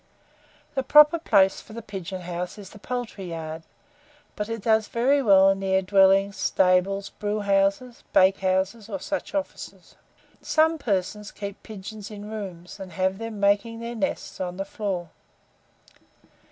The proper place for the pigeon house is the poultry yard; but it does very well near dwellings, stables, brewhouses, bakehouses, or such offices. Some persons keep pigeons in rooms, and have them making their nests on the floor.